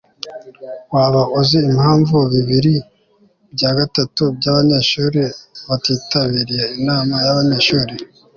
Waba uzi impamvu bibiri bya gatatu byabanyeshuri batitabiriye inama yabanyeshuri